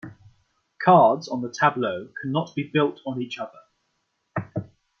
Cards on the tableau cannot be built on each other.